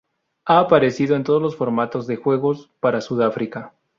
Ha aparecido en todos los formatos de juegos para Sudáfrica.